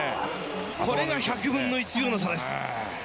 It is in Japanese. これが１００分の１秒の差です。